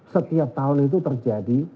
setiap tahun itu terjadi